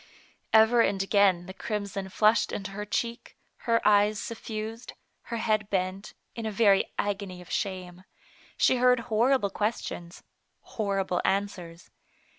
Ever and again the crimson flushed into her cheek, her eyes suffused, her head bent, in a very agony of shame ; she heard horrible questions, horrible answers.